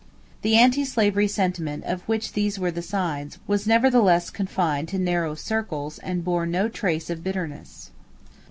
The anti slavery sentiment of which these were the signs was nevertheless confined to narrow circles and bore no trace of bitterness.